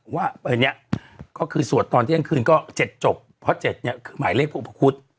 ว่าเนี่ยก็คือสวดตอนเที่ยงคืนก็เจ็ดจบเพราะเจ็ดเนี่ยคือหมายเลขพระอุปกรุษ